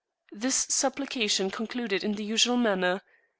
This supplication concluded in the usual manner.